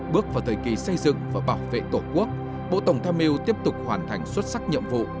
bước vào thời kỳ xây dựng và bảo vệ tổ quốc bộ tổng tham mưu tiếp tục hoàn thành xuất sắc nhiệm vụ